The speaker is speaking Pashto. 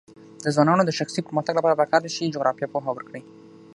د ځوانانو د شخصي پرمختګ لپاره پکار ده چې جغرافیه پوهه ورکړي.